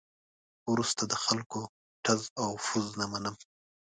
وروسته د خلکو ټز او پز نه منم.